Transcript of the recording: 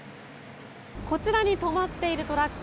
こちらに止まっているトラック